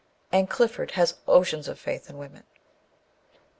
And Clifford has oceans of faith in women.